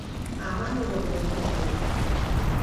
عمل یې ورباندې کړی دی.